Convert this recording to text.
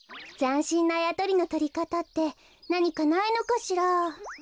ざんしんなあやとりのとりかたってなにかないのかしら？